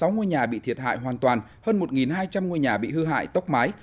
sáu ngôi nhà bị thiệt hại hoàn toàn hơn một hai trăm linh ngôi nhà bị hư hại tốc mái